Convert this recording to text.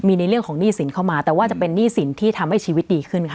มีในเรื่องของหนี้สินเข้ามาแต่ว่าจะเป็นหนี้สินที่ทำให้ชีวิตดีขึ้นค่ะ